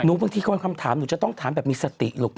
บางทีคนคำถามหนูจะต้องถามแบบมีสติลูก